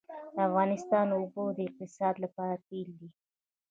د افغانستان اوبه د اقتصاد لپاره تیل دي